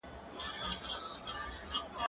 زه اوس مېوې وچوم!.